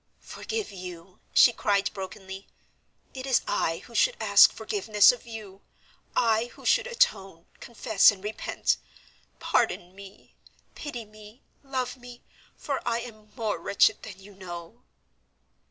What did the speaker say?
"Forgive you!" she cried, brokenly. "It is I who should ask forgiveness of you I who should atone, confess, and repent. Pardon me, pity me, love me, for I am more wretched than you know."